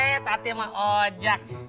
eh tatya mau ojak